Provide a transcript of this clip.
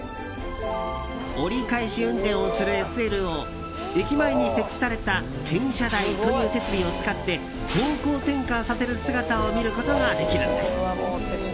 折り返し運転をするＳＬを駅前に設置された転車台という設備を使って方向転換させる姿を見ることができるんです。